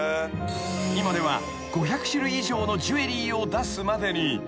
［今では５００種類以上のジュエリーを出すまでに］